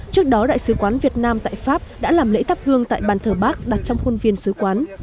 trước đó đại sứ quán việt nam tại pháp đã làm lễ thắp hương tại bàn thờ bác đặt trong khuôn viên sứ quán